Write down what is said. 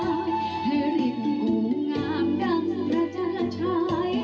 ให้ฤทธิ์กูงามดังรัชาชาย